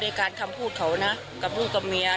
เราดูในการรับปูดเขากับลูกกับเมียเนี่ย